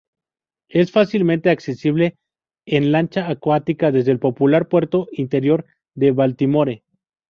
Es fácilmente accesible en lancha acuática desde el popular puerto interior de Baltimore.